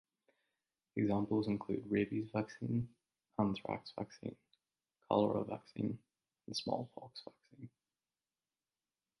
Examples include rabies vaccine, anthrax vaccine, cholera vaccine and smallpox vaccine.